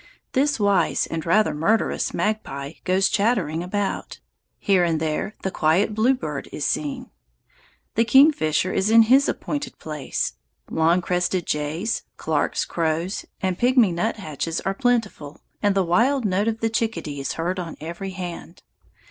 The wise, and rather murderous, magpie goes chattering about. Here and there the quiet bluebird is seen. The kingfisher is in his appointed place. Long crested jays, Clarke's crows, and pigmy nuthatches are plentiful, and the wild note of the chickadee is heard on every hand.